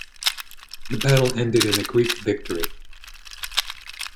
The battle ended in a Greek victory.